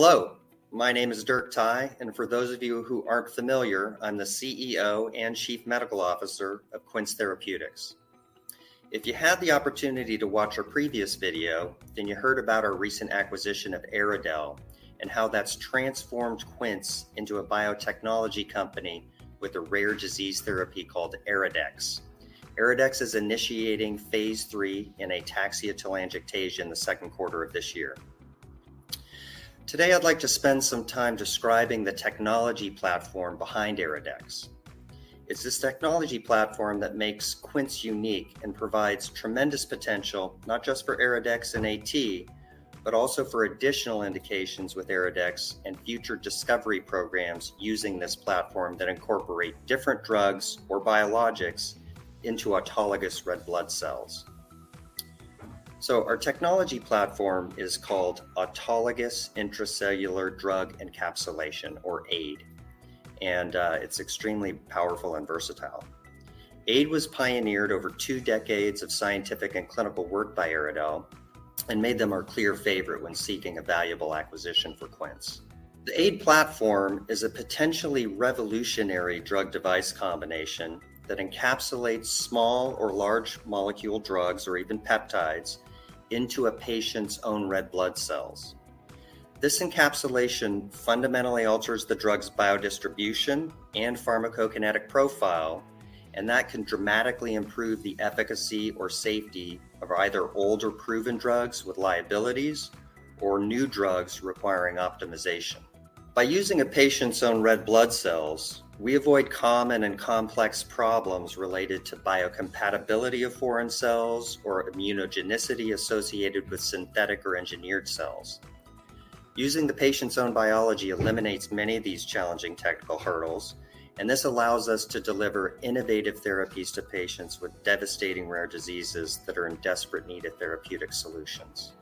Hello, my name is Dirk Thye, and for those of you who aren't familiar, I'm the CEO and Chief Medical Officer of Quince Therapeutics. If you had the opportunity to watch our previous video, then you heard about our recent acquisition of EryDel and how that's transformed Quince into a biotechnology company with a rare disease therapy called EryDex. EryDex is initiating Phase III in ataxia-telangiectasia in the second quarter of this year. Today I'd like to spend some time describing the technology platform behind EryDex. It's this technology platform that makes Quince unique and provides tremendous potential not just for EryDex in A-T, but also for additional indications with EryDex and future discovery programs using this platform that incorporate different drugs or biologics into autologous red blood cells. So our technology platform is called Autologous Intracellular Drug Encapsulation, or AIDE, and it's extremely powerful and versatile. AIDE was pioneered over two decades of scientific and clinical work by EryDel and made them our clear favorite when seeking a valuable acquisition for Quince. The AIDE platform is a potentially revolutionary drug-device combination that encapsulates small or large molecule drugs, or even peptides, into a patient's own red blood cells. This encapsulation fundamentally alters the drug's biodistribution and pharmacokinetic profile, and that can dramatically improve the efficacy or safety of either older proven drugs with liabilities or new drugs requiring optimization. By using a patient's own red blood cells, we avoid common and complex problems related to biocompatibility of foreign cells or immunogenicity associated with synthetic or engineered cells. Using the patient's own biology eliminates many of these challenging technical hurdles, and this allows us to deliver innovative therapies to patients with devastating rare diseases that are in desperate need of therapeutic solutions.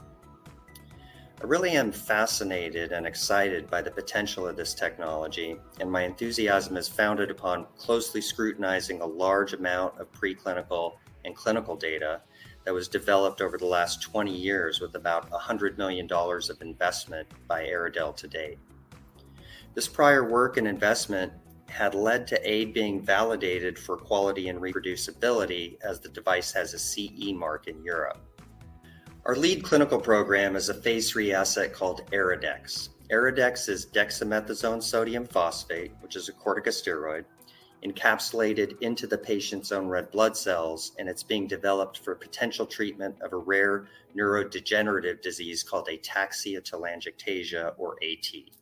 I really am fascinated and excited by the potential of this technology, and my enthusiasm is founded upon closely scrutinizing a large amount of preclinical and clinical data that was developed over the last 20 years with about $100 million of investment by EryDel to date. This prior work and investment had led to AIDE being validated for quality and reproducibility as the device has a CE mark in Europe. Our lead clinical program is a Phase III asset called EryDex. EryDex is dexamethasone sodium phosphate, which is a corticosteroid, encapsulated into the patient's own red blood cells, and it's being developed for potential treatment of a rare neurodegenerative disease called ataxia-telangiectasia, or A-T.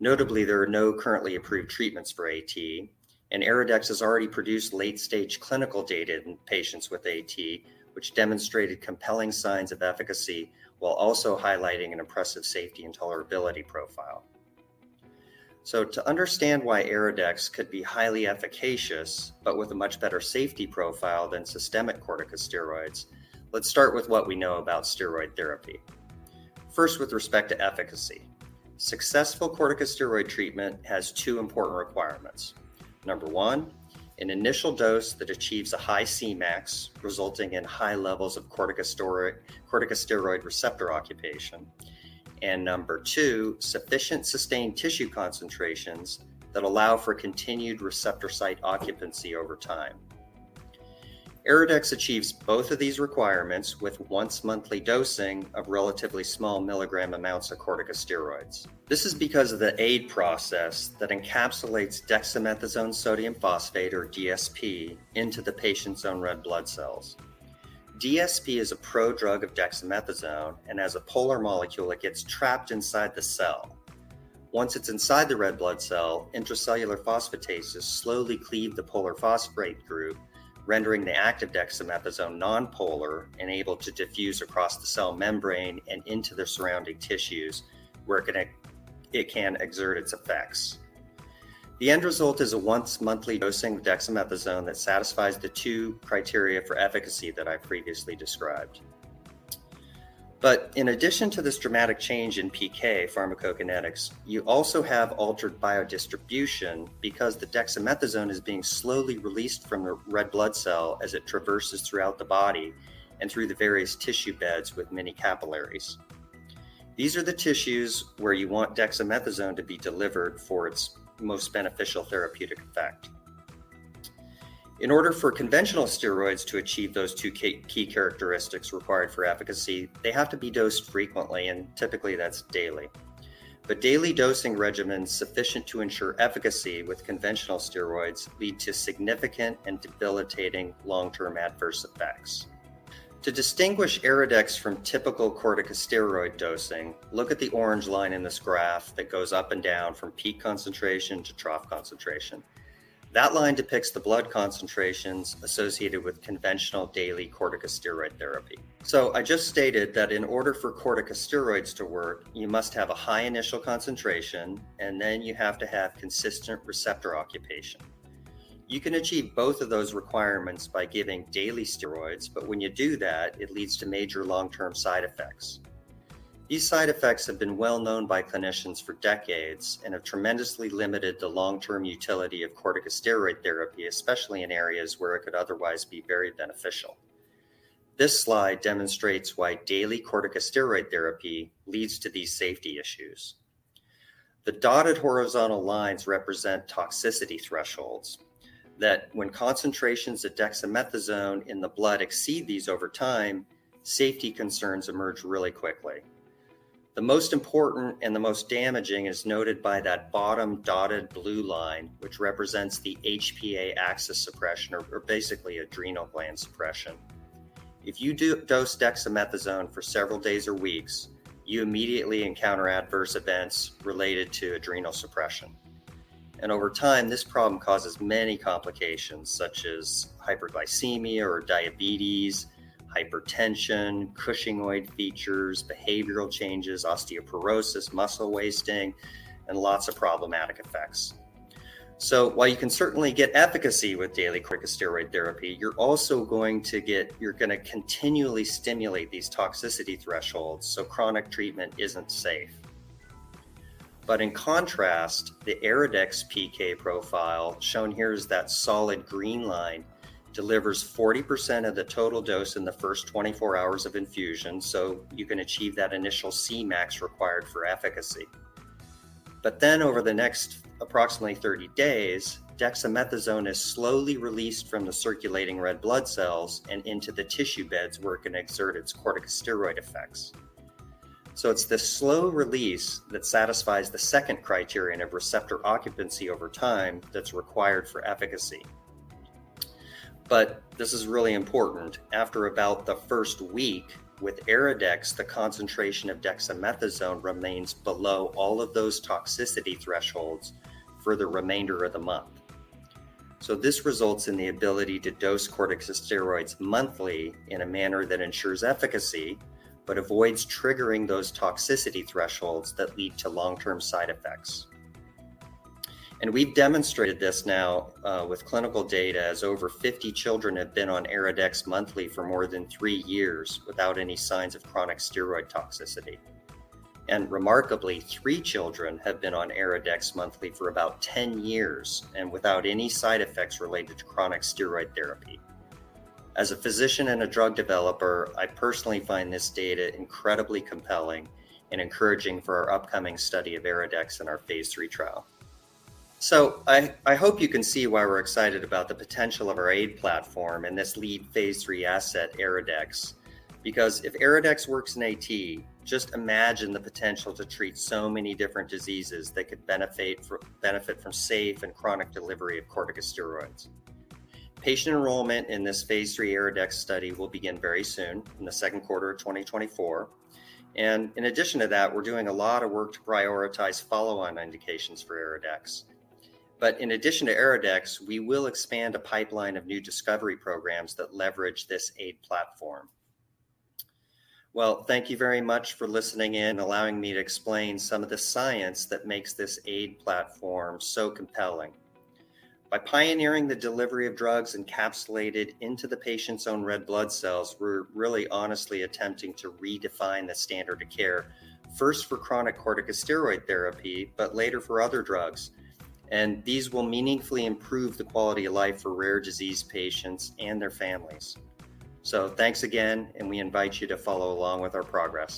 Notably, there are no currently approved treatments for A-T, and EryDex has already produced late-stage clinical data in patients with A-T, which demonstrated compelling signs of efficacy while also highlighting an impressive safety and tolerability profile. So to understand why EryDex could be highly efficacious but with a much better safety profile than systemic corticosteroids, let's start with what we know about steroid therapy. First, with respect to efficacy, successful corticosteroid treatment has two important requirements. Number one, an initial dose that achieves a high Cmax resulting in high levels of corticosteroid corticosteroid receptor occupation, and number two, sufficient sustained tissue concentrations that allow for continued receptor site occupancy over time. EryDex achieves both of these requirements with once-monthly dosing of relatively small milligram amounts of corticosteroids. This is because of the AIDE process that encapsulates dexamethasone sodium phosphate, or DSP, into the patient's own red blood cells. DSP is a prodrug of dexamethasone, and as a polar molecule, it gets trapped inside the cell. Once it's inside the red blood cell, intracellular phosphatases slowly cleave the polar phosphate group, rendering the active dexamethasone nonpolar and able to diffuse across the cell membrane and into the surrounding tissues where it can exert its effects. The end result is a once-monthly dosing of dexamethasone that satisfies the two criteria for efficacy that I previously described. But in addition to this dramatic change in PK, pharmacokinetics, you also have altered biodistribution because the dexamethasone is being slowly released from the red blood cell as it traverses throughout the body and through the various tissue beds with many capillaries. These are the tissues where you want dexamethasone to be delivered for its most beneficial therapeutic effect. In order for conventional steroids to achieve those two key characteristics required for efficacy, they have to be dosed frequently, and typically that's daily. But daily dosing regimens sufficient to ensure efficacy with conventional steroids lead to significant and debilitating long-term adverse effects. To distinguish EryDex from typical corticosteroid dosing, look at the orange line in this graph that goes up and down from peak concentration to trough concentration. That line depicts the blood concentrations associated with conventional daily corticosteroid therapy. So I just stated that in order for corticosteroids to work, you must have a high initial concentration, and then you have to have consistent receptor occupation. You can achieve both of those requirements by giving daily steroids, but when you do that, it leads to major long-term side effects. These side effects have been well known by clinicians for decades and have tremendously limited the long-term utility of corticosteroid therapy, especially in areas where it could otherwise be very beneficial. This slide demonstrates why daily corticosteroid therapy leads to these safety issues. The dotted horizontal lines represent toxicity thresholds that, when concentrations of dexamethasone in the blood exceed these over time, safety concerns emerge really quickly. The most important and the most damaging is noted by that bottom dotted blue line, which represents the HPA axis suppression, or basically adrenal gland suppression. If you dose dexamethasone for several days or weeks, you immediately encounter adverse events related to adrenal suppression. Over time, this problem causes many complications such as hyperglycemia or diabetes, hypertension, Cushingoid features, behavioral changes, osteoporosis, muscle wasting, and lots of problematic effects. So while you can certainly get efficacy with daily corticosteroid therapy, you're also going to continually stimulate these toxicity thresholds, so chronic treatment isn't safe. But in contrast, the EryDex PK profile shown here is that solid green line delivers 40% of the total dose in the first 24 hours of infusion, so you can achieve that initial Cmax required for efficacy. But then over the next approximately 30 days, dexamethasone is slowly released from the circulating red blood cells and into the tissue beds where it can exert its corticosteroid effects. So it's the slow release that satisfies the second criterion of receptor occupancy over time that's required for efficacy. But this is really important: after about the first week, with EryDex, the concentration of dexamethasone remains below all of those toxicity thresholds for the remainder of the month. So this results in the ability to dose corticosteroids monthly in a manner that ensures efficacy but avoids triggering those toxicity thresholds that lead to long-term side effects. We've demonstrated this now with clinical data as over 50 children have been on EryDex monthly for more than three years without any signs of chronic steroid toxicity. Remarkably, three children have been on EryDex monthly for about 10 years and without any side effects related to chronic steroid therapy. As a physician and a drug developer, I personally find this data incredibly compelling and encouraging for our upcoming study of EryDex in our Phase III trial. So I hope you can see why we're excited about the potential of our AIDE platform and this lead Phase III asset, EryDex, because if EryDex works in A-T, just imagine the potential to treat so many different diseases that could benefit from safe and chronic delivery of corticosteroids. Patient enrollment in this Phase III EryDex study will begin very soon, in the second quarter of 2024. In addition to that, we're doing a lot of work to prioritize follow-on indications for EryDex. In addition to EryDex, we will expand a pipeline of new discovery programs that leverage this AIDE platform. Well, thank you very much for listening in and allowing me to explain some of the science that makes this AIDE platform so compelling. By pioneering the delivery of drugs encapsulated into the patient's own red blood cells, we're really, honestly attempting to redefine the standard of care, first for chronic corticosteroid therapy but later for other drugs. These will meaningfully improve the quality of life for rare disease patients and their families. Thanks again, and we invite you to follow along with our progress.